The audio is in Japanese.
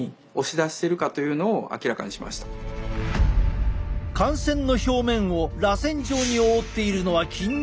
汗腺の表面をらせん状に覆っているのは筋肉線維。